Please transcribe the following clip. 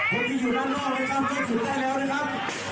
คนที่อยู่ด้านนอกนะครับคิดถึงได้แล้วนะครับ